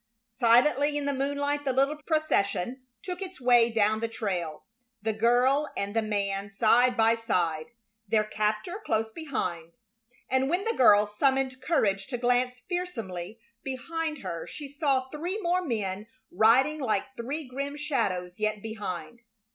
Silently in the moonlight the little procession took its way down the trail, the girl and the man side by side, their captor close behind, and when the girl summoned courage to glance fearsomely behind her she saw three more men riding like three grim shadows yet behind.